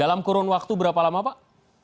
dalam kurun waktu berapa lama pak